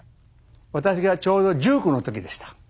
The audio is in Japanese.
私がちょうど１９の時でした。